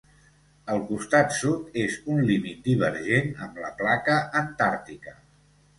El costat sud és un límit divergent amb la placa antàrtica.